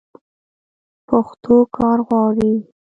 پښتو کار غواړي.